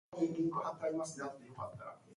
In this post, he launched two military offensives.